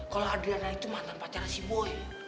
kalo adriana itu mantan pacarnya si boy